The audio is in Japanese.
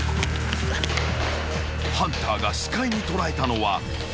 ［ハンターが視界に捉えたのは］